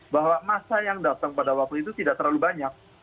bahwa masa yang datang pada waktu itu tidak terlalu banyak